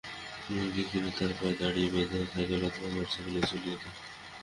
মুরগি কিনে, তার পায়ে দড়ি বেঁধে সাইকেল অথবা মোটরসাইকেলে ঝুলিয়ে দিই।